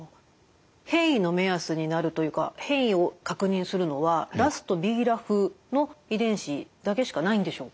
変異の目安になるというか変異を確認するのはＲＡＳとＢＲＡＦの遺伝子だけしかないんでしょうか？